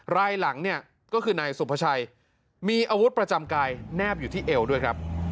รายหลังเนี่ยก็คือนายสุภาชัยมีอาวุธประจำกายแนบอยู่ที่เอวด้วยครับ